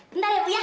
bentar ya bu ya